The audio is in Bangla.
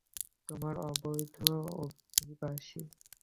তোমরা অবৈধ অভিবাসী!